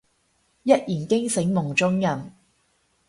一言驚醒夢中人